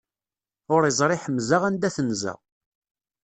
Ur iẓri ḥemza anda tenza.